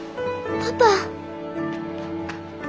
パパ。